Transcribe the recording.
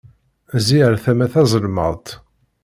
Zzi ar tama tazelmaḍt!